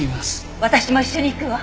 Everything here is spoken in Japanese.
私も一緒に行くわ。